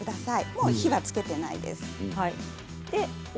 もう火はつけていないです。